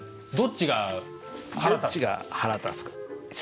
どっちが腹立つか？